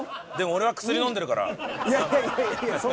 俺は薬飲んでるから。